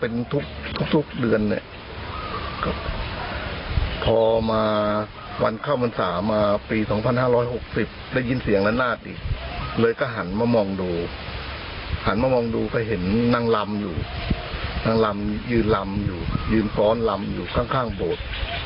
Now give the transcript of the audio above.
นางลำอยู่นางลำยืนลำอยู่ยืนฟ้อนลำอยู่ข้างโบสถ์